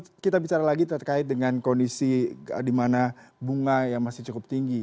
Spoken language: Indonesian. kalau kita bicara lagi terkait dengan kondisi di mana bunga yang masih cukup tinggi